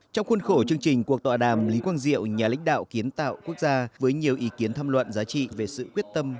trong khuôn khổ chương trình cuộc tọa đàm lý quang diệu nhà lãnh đạo kiến tạo quốc gia với nhiều ý kiến tham luận giá trị về sự quyết tâm